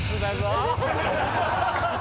ハハハハ！